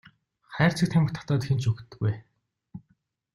Хайрцаг тамхи татаад хэн ч үхдэггүй.